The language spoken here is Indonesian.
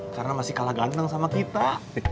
karena masih kalah ganteng sama kita